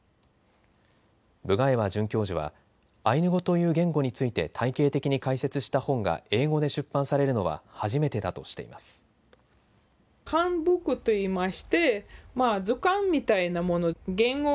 ブガエワ准教授はアイヌ語という言語について体系的に解説した本が英語で出版されるのは初めてだとしています。